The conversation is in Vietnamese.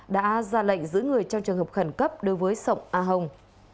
đã ra lệnh giữ người trong trường hợp khẩn cấp đối với sọng a hồng